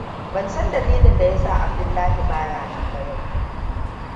Ban san dalilin da ya sa Abdullahi ba ya nan ba yau.